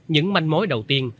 những manh mối đầu tiên